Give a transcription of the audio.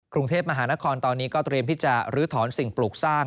กรุงเทพมหานครตอนนี้ก็เตรียมที่จะลื้อถอนสิ่งปลูกสร้าง